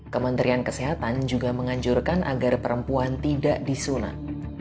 kementerian kesehatan juga menganjurkan agar perempuan tidak disunat